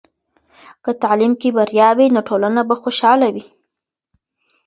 که تعلیم کې بریا وي، نو ټولنه به خوشحاله وي.